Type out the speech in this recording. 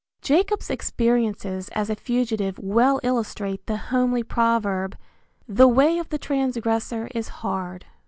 Jacob's experiences as a fugitive well illustrate the homely proverb, "The way of the transgressor is hard."